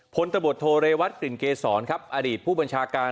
ตบทโทเรวัตกลิ่นเกษรครับอดีตผู้บัญชาการ